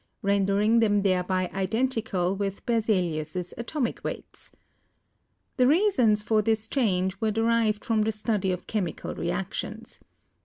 render ing them thereby identical with Berzelius' atomic weights. The reasons for this change were derived from the study of chemical reactions.